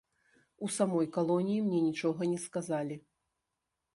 У самой калоніі мне нічога не сказалі.